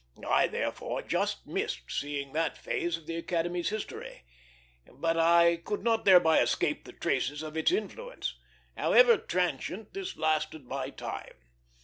I therefore just missed seeing that phase of the Academy's history; but I could not thereby escape the traces of its influence. However transient, this lasted my time.